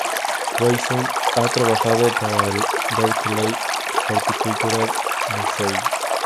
Wasson ha trabajado para el Berkeley Horticultural Nursery.